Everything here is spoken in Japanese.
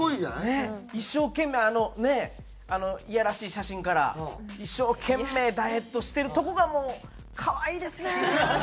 一生懸命ねえいやらしい写真から一生懸命ダイエットしてるとこがもう可愛いですね。